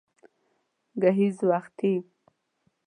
گهيځ وختي